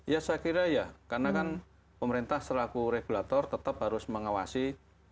ya saya kira ya karena kan pemerintah selaku regulator tetap harus mengawasi kinerja dari operator dalam milik pln